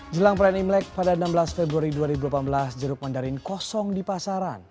jelang perayaan imlek pada enam belas februari dua ribu delapan belas jeruk mandarin kosong di pasaran